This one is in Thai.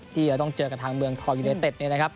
ที่จะต้องเจอกับทางเมืองทองยูเนเต็ดเนี่ยนะครับ